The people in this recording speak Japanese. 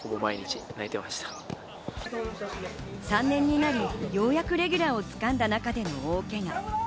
３年になり、ようやくレギュラーを掴んだ中での大けが。